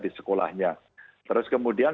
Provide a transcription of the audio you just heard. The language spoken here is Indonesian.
di sekolahnya terus kemudian